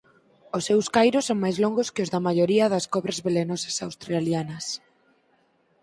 Os seus cairos son máis longos que os da maioría das cobras velenosas australianas.